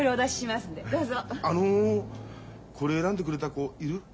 あのこれ選んでくれた子いる？